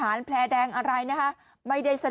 โอ้ยโอ้ยโอ้ยโอ้ยโอ้ย